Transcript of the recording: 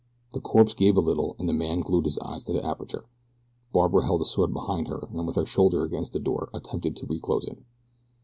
The corpse gave a little, and the man glued his eyes to the aperture. Barbara held the sword behind her, and with her shoulder against the door attempted to reclose it.